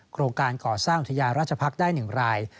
โครงการก่อสร้างอุทยาราชพักษ์ได้๑ราย